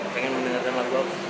pengen mendengarkan langsung